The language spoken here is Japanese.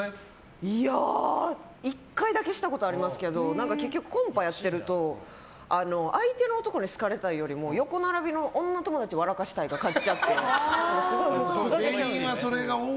いやあ、１回だけしたことありますけど結局コンパをやってると相手の男に好かれたいよりも横並びの女友達わらかしたいが勝っちゃってすごいふざけちゃう。